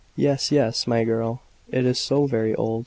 "Yes yes, my girl. Is it so very old?"